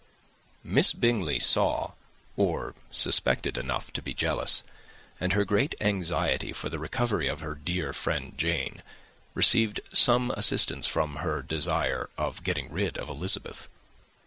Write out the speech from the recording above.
Miss Bingley saw, or suspected, enough to be jealous; and her great anxiety for the recovery of her dear friend Jane received some assistance from her desire of getting rid of Elizabeth.